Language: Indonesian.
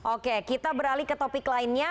oke kita beralih ke topik lainnya